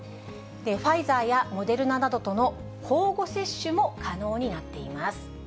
ファイザーやモデルナなどとの交互接種も可能になっています。